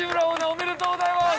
おめでとうございます！